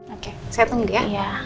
oke saya tunggu ya